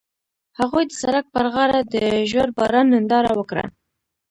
هغوی د سړک پر غاړه د ژور باران ننداره وکړه.